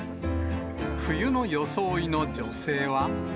冬の装いの女性は。